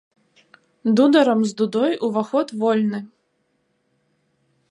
Дударам з дудой уваход вольны!